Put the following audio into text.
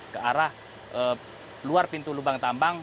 ke arah luar pintu lubang tambang